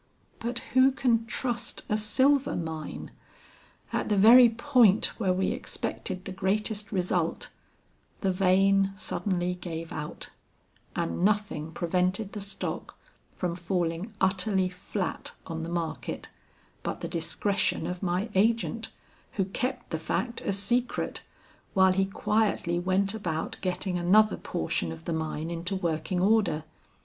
But who can trust a silver mine? At the very point where we expected the greatest result, the vein suddenly gave out, and nothing prevented the stock from falling utterly flat on the market, but the discretion of my agent, who kept the fact a secret, while he quietly went about getting another portion of the mine into working order.